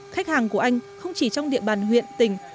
khách hàng của anh không chỉ trong địa bàn huyện tỉnh